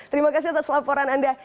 terima kasih atas laporan anda